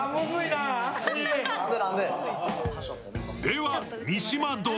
では、三島殿。